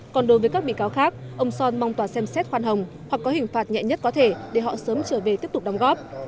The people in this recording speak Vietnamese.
còn đối với các bị cáo khác ông son mong tòa xem xét khoan hồng hoặc có hình phạt nhẹ nhất có thể để họ sớm trở về tiếp tục đóng góp